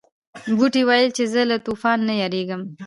بوټي ویل چې زه له طوفان نه یریږم.